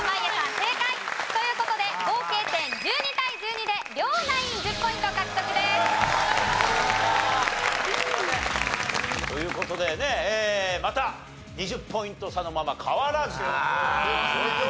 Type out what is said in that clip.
正解。という事で合計点１２対１２で両ナイン１０ポイント獲得です。という事でねまた２０ポイント差のまま変わらずと。